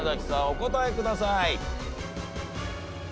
お答えください。